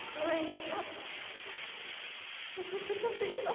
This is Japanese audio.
よかったちゃんと言えた」。